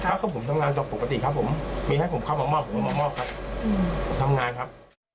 เพราะว่าผมทำงานจากปกติครับผมมีให้ผมเข้ามาออกผมทำงานครับ